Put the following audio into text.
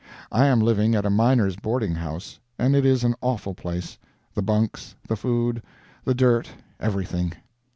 I am living at a miner's boarding house, and it is an awful place: the bunks, the food, the dirt everything.